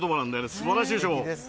すばらしいでしょ。